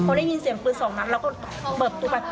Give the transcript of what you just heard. พอได้ยินเสียงปืนสองนัดเราก็เปิดประตูไป